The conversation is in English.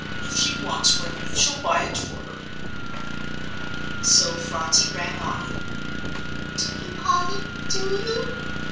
If she wants one you shall buy it for her." So Phronsie ran off. "Do you, Polly? Do you?"